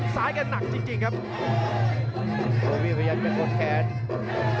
พาท่านผู้ชมกลับติดตามความมันกันต่อครับ